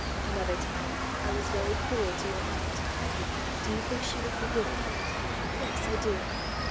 "Another time, I was very cruel to your aunt: do you think she will forgive me!" "Yes, I do."